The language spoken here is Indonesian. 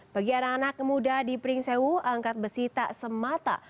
bagi anak anak muda di pringsewu angkat besi tak semata